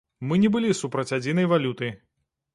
Мы не былі супраць адзінай валюты.